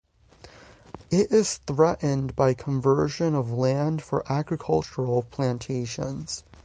It is threatened by conversion of land for agricultural plantations.